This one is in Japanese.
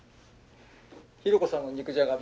ひろ子さんの肉じゃが